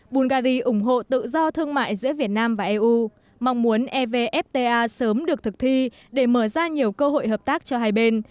bungary ủng hộ tự do thương mại giữa việt nam và eu mong muốn evfta sớm được thực thi để mở ra nhiều cơ hội hợp tác cho hai bên